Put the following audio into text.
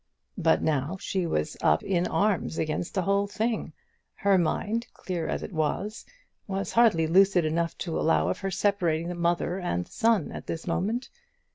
But now she was up in arms against the whole thing. Her mind, clear as it was, was hardly lucid enough to allow of her separating the mother and son at this moment.